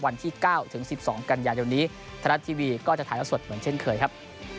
วันที่เก้าถึงสิบสองกัญญาณยนต์นี้ธนาทีวีก็จะถ่ายทอดสดเหมือนเช่นเคยครับ